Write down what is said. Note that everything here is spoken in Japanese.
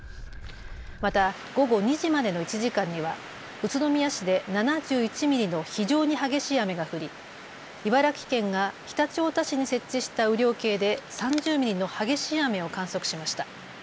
また午後２時までの１時間には宇都宮市で７１ミリの非常に激しい雨が降り、茨城県が常陸太田市に設置した雨量計で３０ミリの激しい雨を観測しました。